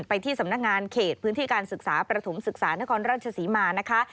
ไปที่สำนักงานเขตพื้นที่การศึกษาประถมศึกษานครราชศรีมานะคะ